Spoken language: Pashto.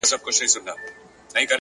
هره لاسته راوړنه له هڅې راټوکېږي!.